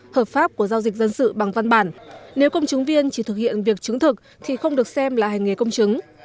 hợp pháp của giao dịch dân sự bằng văn bản nếu công chứng viên chỉ thực hiện việc chứng thực thì không được xem là hành nghề công chứng